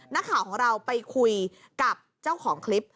นักข่าวของเราไปคุยกับเจ้าของคลิป